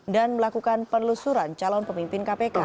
dan melakukan penelusuran calon pemimpin kpk